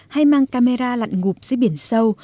hay mang camera lặn ngụp dưới biển sâu